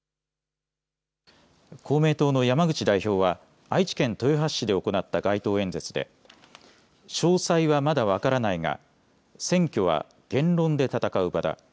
公明党の山口代表は愛知県豊橋市で行った街頭演説で詳細はまだ分からないが選挙は言論で戦う場だ。